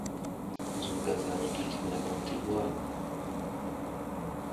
Zuŋ gazaŋ a tikinakaŋ ti ɗuwa.